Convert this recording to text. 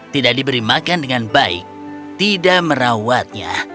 tidak diberi makan dengan baik tidak merawatnya